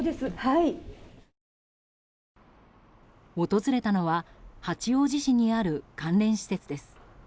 訪れたのは八王子市にある関連施設です。